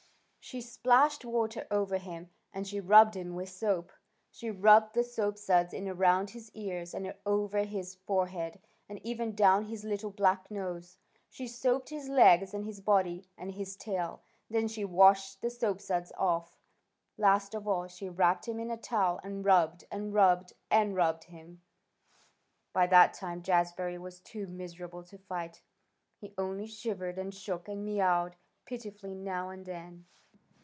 She splashed water over him, and she rubbed him with soap. She rubbed the soapsuds in around his ears, and over his forehead, and even down his little black nose. She soaped his legs and his body and his tail. Then she washed the soapsuds off. Last of all, she wrapped him in a towel and rubbed and rubbed and rubbed him. By that time Jazbury was too miserable to fight. He only shivered and shook and mewed pitifully now and then.